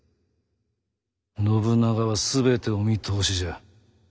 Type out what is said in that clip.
信長は全てお見通しじゃ。